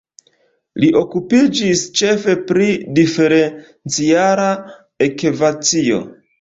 Li okupiĝis ĉefe pri Diferenciala ekvacio.